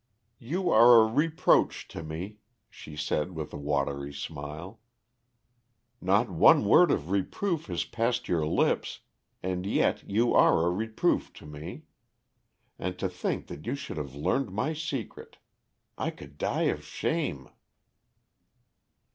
"You are a reproach to me," she said with a watery smile. "Not one word of reproof has passed your lips, and yet you are a reproof to me. And to think that you should have learned my secret! I could die of shame."